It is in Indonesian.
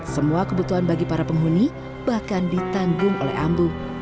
semua kebutuhan bagi para penghuni bahkan ditanggung oleh ambu